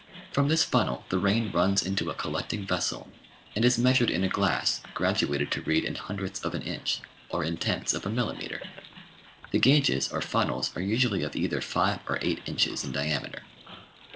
From this funnel the rain runs into a collecting vessel, and is measured in a glass graduated to read in hundredths of an inch or in tenths of a millimetre. The gauges or funnels are usually of either 5 or 8 inches in diameter.